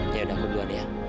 ya udah aku duluan ya